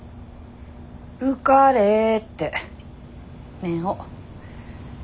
受かれって念を。